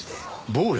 暴力？